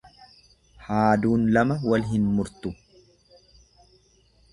Haaduun lama wal hin murtu.